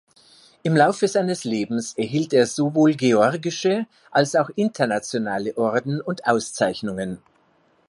Im Laufe seines Lebens erhielt er sowohl georgische als auch internationale Orden und Auszeichnungen.